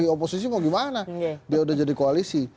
oposisi mau gimana dia udah jadi koalisi